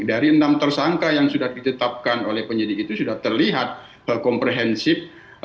dari enam tersangka yang sudah ditetapkan oleh penyidik itu sudah terlihat komprehensif